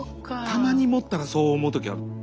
たまに持ったらそう思う時ある。